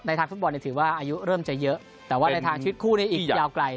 ทางฟุตบอลถือว่าอายุเริ่มจะเยอะแต่ว่าในทางชีวิตคู่นี้อีกยาวไกล